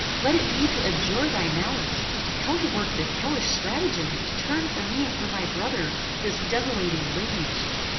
Let it be to abjure thy malice; to counterwork this hellish stratagem; to turn from me and from my brother, this desolating rage!